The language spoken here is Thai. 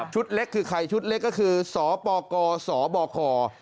ชุดเล็กคือใครชุดเล็กก็คือสปกสบค